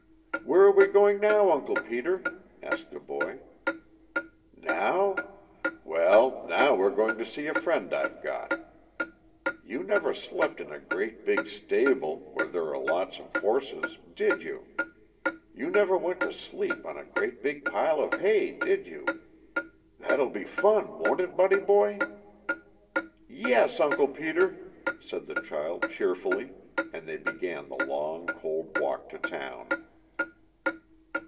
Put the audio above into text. "Where are we going now, Uncle Peter?" asked the boy. "Now? Well, now we 're going to see a friend I've got. You never slept in a great, big stable, where there are a lot of horses, did you? You never went to sleep on a great big pile of hay, did you? That'll be fun, won't it, Buddy boy?" "Yes, Uncle Peter," said the child cheerfully, and they began the long, cold walk to town.